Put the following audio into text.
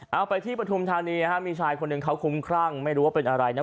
เอาไปที่ปฐุมธานีมีชายคนหนึ่งเขาคุ้มครั่งไม่รู้ว่าเป็นอะไรนะ